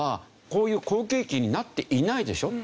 こういう好景気になっていないでしょ？